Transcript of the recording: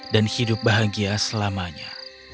dan hidup bahagia selamanya